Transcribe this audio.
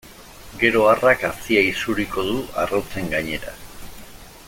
Gero arrak hazia isuriko du arrautzen gainera.